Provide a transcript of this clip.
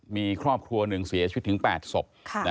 มีครอบครัวหนึ่งเสียชีวิตถึง๘ศพ